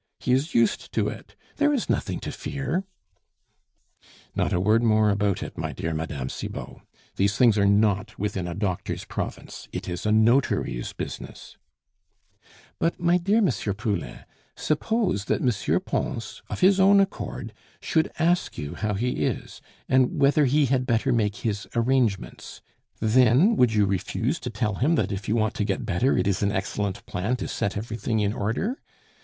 He is used to it. There is nothing to fear." "Not a word more about it, my dear Mme. Cibot! These things are not within a doctor's province; it is a notary's business " "But, my dear M. Poulain, suppose that M. Pons of his own accord should ask you how he is, and whether he had better make his arrangements; then, would you refuse to tell him that if you want to get better it is an excellent plan to set everything in order?